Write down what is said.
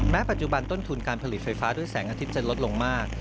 ปัจจุบันต้นทุนการผลิตไฟฟ้าด้วยแสงอาทิตย์จะลดลงมาก